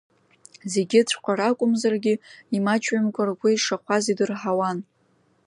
Зегьыҵәҟьа ракәымзаргьы, имаҷҩымкәа ргәы ишахәаз идырҳауан.